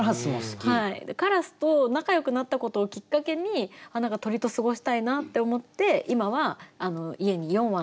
カラスと仲よくなったことをきっかけに何か鳥と過ごしたいなって思って今は家に４羽のインコオウムがいます。